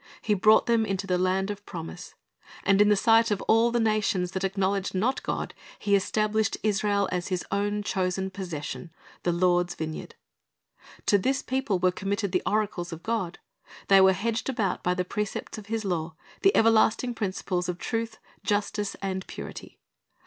He brought them into the land of promise, and in the sight of all the nations that acknowledged not God He established Israel as His own chosen possession, the Lord's vineyard. To this people were committed the oracles of God, They were hedged about by the precepts of His law, the everlasting principles of truth, justice, and purity.